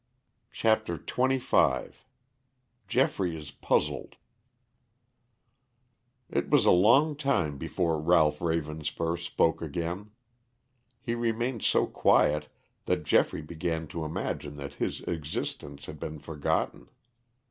CHAPTER XXV GEOFFREY IS PUZZLED It was a long time before Ralph Ravenspur spoke again. He remained so quiet that Geoffrey began to imagine that his existence had been forgotten.